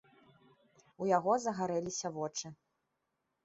У яго загарэліся вочы.